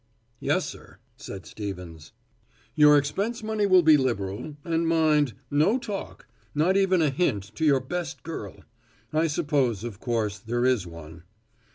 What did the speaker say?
"Yes, sir," said Stevens. "Your expense money will be liberal; and mind, no talk not even a hint to your best girl. I suppose, of course, there is one."